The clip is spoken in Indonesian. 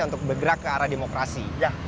untuk bergerak ke arah demokrasi